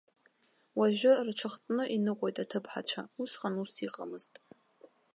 Уажәы рҽыхтны иныҟәоит аҭыԥҳацәа, усҟан ус иҟамызт.